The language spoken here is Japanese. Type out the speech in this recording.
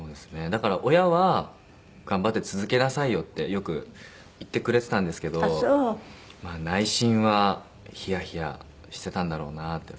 だから親は「頑張って続けなさいよ」ってよく言ってくれてたんですけど内心はヒヤヒヤしてたんだろうなって。